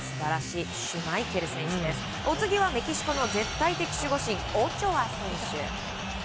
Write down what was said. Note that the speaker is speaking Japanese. お次はメキシコの絶対的守護神オチョア選手。